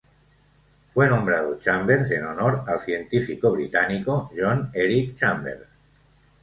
Fue nombrado Chambers en honor al científico británico John Eric Chambers.